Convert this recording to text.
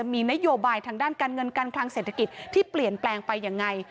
มีนโยบายทางด้านการเงินการคลังเศรษฐกิจที่เปลี่ยนแปลงไปยังไง